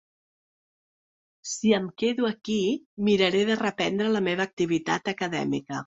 Si em quedo aquí miraré de reprendre la meva activitat acadèmica.